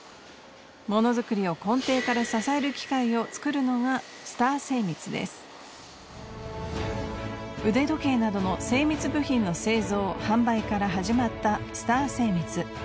モノづくりを根底から支える機械を作るのが腕時計などの精密部品の製造・販売から始まったスター精密。